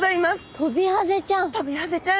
トビハゼちゃん。